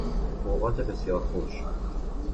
اوقات بسیار خوش